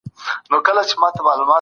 د افغانانو پر قبیلو حکومت وکړ.